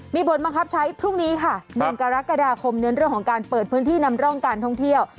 มีผลบังคับใช้พรุ่งนี้ค่ะ๑กรกฎาคมเน้นเรื่องของการเปิดพื้นที่นำร่องการท่องเที่ยว